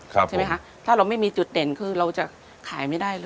ใช่ไหมคะถ้าเราไม่มีจุดเด่นคือเราจะขายไม่ได้เลย